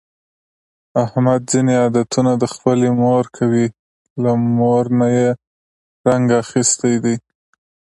احمد ځني عادتونه د خپلې مور کوي، له مور نه یې رنګ اخیستی دی.